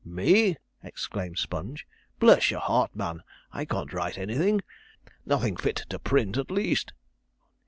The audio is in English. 'Me!' exclaimed Sponge; 'bless your heart, man, I can't write anything nothing fit to print, at least.'